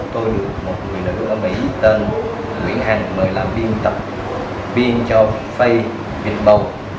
tôi được một người nữ ở mỹ tên nguyễn hằng mời làm biên tập viên cho facebook vịt bầu